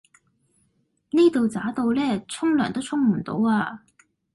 呢度渣到呢沖涼都沖唔到啊